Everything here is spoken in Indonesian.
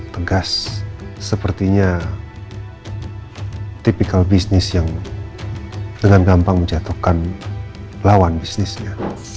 tegas sepertinya tipikal business yang dengan gampang menjatuhkan lawan bisnisnya